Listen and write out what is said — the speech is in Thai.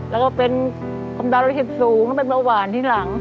แล้วก็เป็นความดาวรสชิบสูงแล้วก็เป็นเมลวหวานที่หลัง